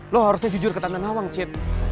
lo harusnya jujur sama tante nawang cet